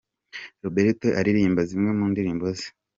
Roberto aririmba zimwe mu ndirimbo ze.